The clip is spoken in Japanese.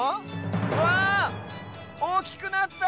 わっおおきくなった！